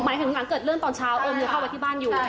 ถึงหลังเกิดเรื่องตอนเช้าโอมยังเข้าไปที่บ้านอยู่